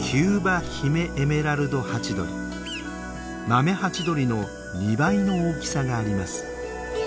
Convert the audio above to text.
マメハチドリの２倍の大きさがあります。